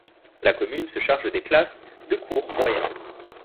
La commune se charge des classes de cours moyen.